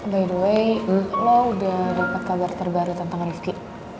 by the way lo udah dapat kabar terbaru tentang rifki